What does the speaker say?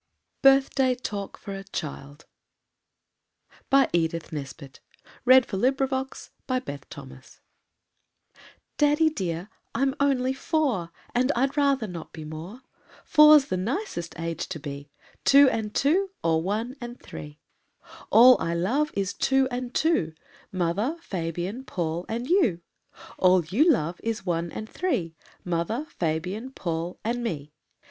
BIRTHDAY TALK FOR A CHILD. (IRIS.) DADDY dear, I'm only four And I'd rather not be more: Four's the nicest age to be Two and two, or one and three. All I love is two and two, Mother, Fabian, Paul and you; All you love is one and three, Mother, Fabian, Paul and me.